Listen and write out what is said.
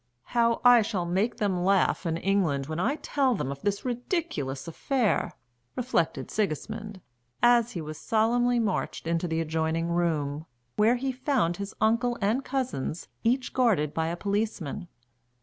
"How I shall make them laugh in England when I tell them of this ridiculous affair!" reflected Sigismund, as he was solemnly marched into the adjoining room, where he found his uncle and cousins, each guarded by a policeman.